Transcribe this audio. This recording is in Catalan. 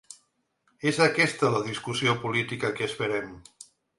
És aquesta la discussió política què esperem.